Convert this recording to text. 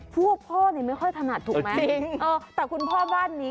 อ๋อพ่อพ่อไม่ค่อยถนัดถูกไหมแต่คุณพ่อบ้านนี้